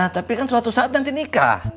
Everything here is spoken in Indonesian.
tapi kan suatu saat nanti nikah